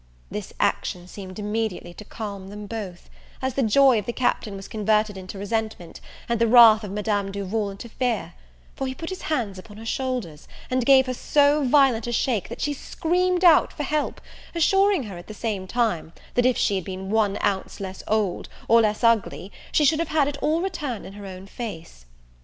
This action seemed immediately to calm them both, as the joy of the Captain was converted into resentment, and the wrath of Madame Duval into fear: for he put his hands upon her shoulders, and gave her so violent a shake, that she screamed out for help; assuring her, at the same time, that if she had been one ounce less old, or less ugly, she should have had it all returned in her own face.